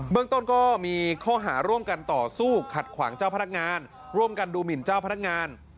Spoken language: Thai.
เมืองต้นก็มีข้อหาร่วมกันต่อสู้ขัดขวางเจ้าพนักงานร่วมกันดูหมินเจ้าพนักงาน